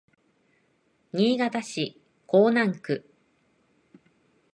新潟市江南区